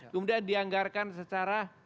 kemudian dianggarkan secara